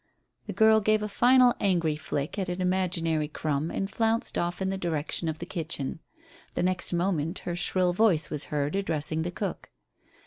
The girl gave a final angry flick at an imaginary crumb and flounced off in the direction of the kitchen. The next moment her shrill voice was heard addressing the cook.